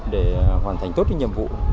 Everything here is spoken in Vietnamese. để hoàn thành tốt những nhiệm vụ